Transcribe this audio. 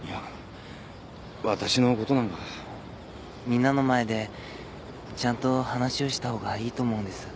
みんなの前でちゃんと話をしたほうがいいと思うんです。